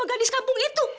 sama gadis kampung itu